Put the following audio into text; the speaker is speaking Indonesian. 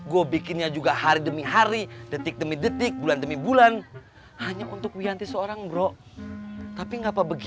gue bikinnya juga hari demi hari detik demi detik bulan demi bulan